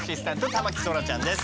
田牧そらちゃんです。